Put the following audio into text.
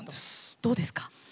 どうですか？